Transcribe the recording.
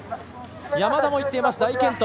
山田もいっています、大健闘。